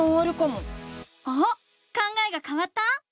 考えがかわった？